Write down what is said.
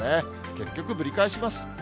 結局ぶり返します。